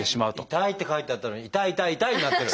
「痛い！」って書いてあったのに「痛い！痛い！痛い！」になってる。